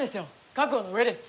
覚悟の上です。